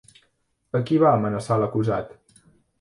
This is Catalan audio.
A qui va amenaçar l'acusat?